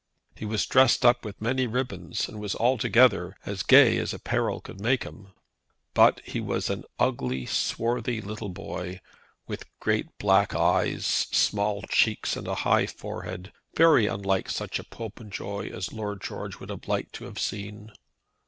He was dressed up with many ribbons, and was altogether as gay as apparel could make him. But he was an ugly, swarthy little boy, with great black eyes, small cheeks, and a high forehead, very unlike such a Popenjoy as Lord George would have liked to have seen.